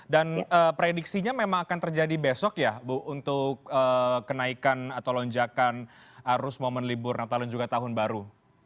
dan prediksinya memang akan terjadi besok ya bu untuk kenaikan atau lonjakan arus momen libur natal dan juga tahun baru